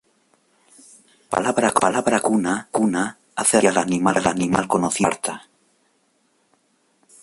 La palabra croata "kuna" hace referencia al animal conocido como marta.